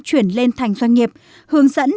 chuyển lên thành doanh nghiệp hướng dẫn